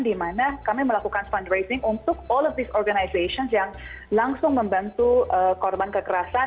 di mana kami melakukan fundraising untuk all of disornization yang langsung membantu korban kekerasan